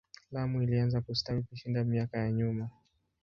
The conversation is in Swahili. Lamu ilianza kustawi kushinda miaka ya nyuma.